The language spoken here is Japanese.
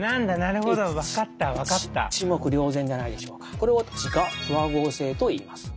これを自家不和合性といいます。